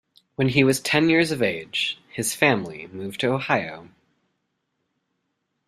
When he was ten years of age, his family moved to Ohio.